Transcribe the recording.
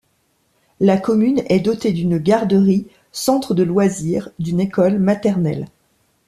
La commune est dotée d'une garderie, centre de loisirs, d'une école maternelle.